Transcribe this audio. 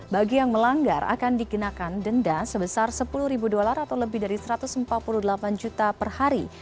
bagi yang melanggar akan dikenakan denda sebesar sepuluh ribu dolar atau lebih dari satu ratus empat puluh delapan juta per hari